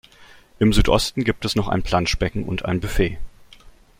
Im Südosten gibt es noch ein Planschbecken und ein Buffet.